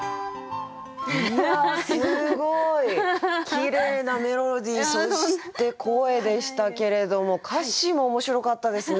きれいなメロディーそして声でしたけれども歌詞も面白かったですね。